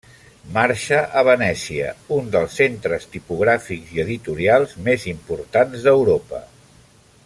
Marxa a Venècia, un dels centres tipogràfics i editorials més importants d'Europa.